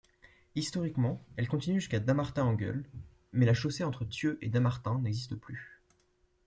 Historiquement, elle continuait jusqu'à Dammartin-en-Goële, mais la chaussée entre Thieux et Dammartin n'existe plus.